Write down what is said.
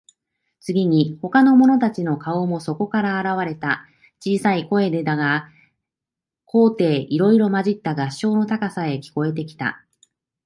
次に、ほかの者たちの顔もそこから現われた。小さい声でだが、高低いろいろまじった合唱の歌さえ、聞こえてきた。